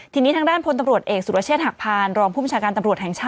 ทีนี้ทางด้านพลตำรวจเอกสุรเชษฐหักพานรองผู้บัญชาการตำรวจแห่งชาติ